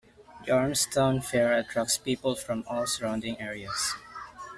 The Ormstown fair attracts people from all surrounding areas.